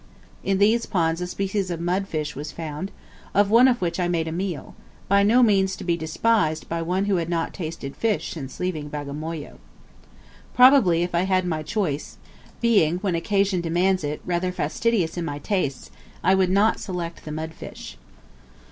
In these ponds a species of mud fish, was found, off one of which I made a meal, by no means to be despised by one who had not tasted fish since leaving Bagamoyo. Probably, if I had my choice, being, when occasion demands it, rather fastidious in my tastes, I would not select the mud fish.